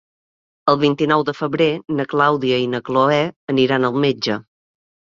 El vint-i-nou de febrer na Clàudia i na Cloè aniran al metge.